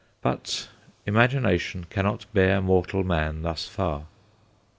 But imagination cannot bear mortal man thus far.